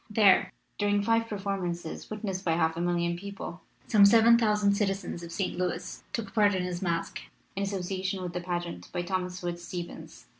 There, during five performances, witnessed by half a million people, some seven thousand citizens of St. Louis took part in his masque, in asso ciation with the pageant by Thomas Wood Stevens.